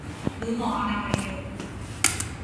หรือหมออนามัยเดิม